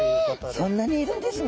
そんなにいるんですね